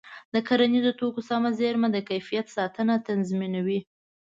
د کرنیزو توکو سمه زېرمه د کیفیت ساتنه تضمینوي.